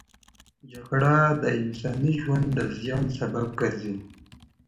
جګړه د انساني ژوند د زیان سبب ګرځي.